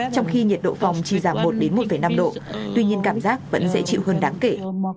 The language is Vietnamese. trong khi nhiệt độ phòng chỉ giảm một một năm độ tuy nhiên cảm giác vẫn dễ chịu hơn đáng kể